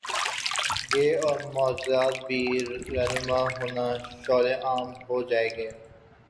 گے اور معجزات بھی رونما ہونا شرو ع ہو جائیں گے۔